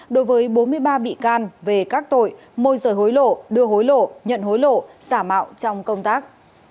đối với bốn mươi ba bị can về các tội môi rời hối lộ đưa hối lộ nhận hối lộ xả mạo trong công tác